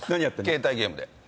携帯ゲームで。